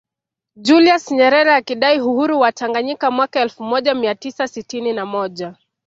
Julius Nyerere akidai uhuru wa Tanganyika mwaka elfu moja mia tisa sitini na moja